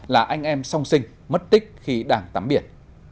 là anh em song sinh mất tích khi đang tắm biển